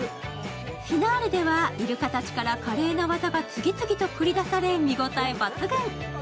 フィナーレではイルカたちから、華麗な技が次々繰り出され、見応え抜群。